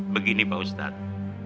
begini pak ustadz